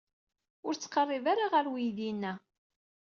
Ur ttqerrib ara ɣer uydi-inna.